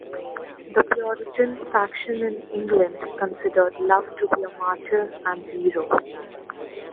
The Puritan faction in England considered Love to be a martyr and hero.